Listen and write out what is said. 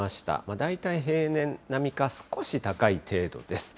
大体平年並みか、少し高い程度です。